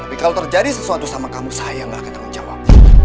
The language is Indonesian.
tapi kalau terjadi sesuatu sama kamu saya gak akan tanggung jawab